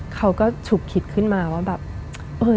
เขาก็ฉุกคิดขึ้นมาว่าแบบ